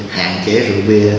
hạn chế rượu bia